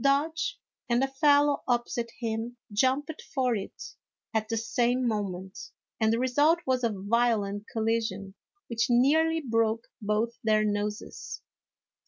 Dodge and a fellow A HALLOWE'EN PARTY. 239 opposite him jumped for it at the same moment, and the result was a violent collision which nearly broke both their noses.